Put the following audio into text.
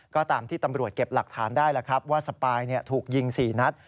ก็ตามที่ตำรวจเก็บหลักฐานได้แล้วครับว่าสปายถูกยิง๔นัด